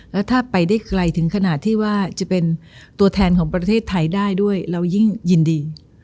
แล้วถ้าไปได้ไกลถึงขนาดที่ว่าจะเป็นตัวแทนของประเทศไทยได้ด้วยเรายิ่งยินดี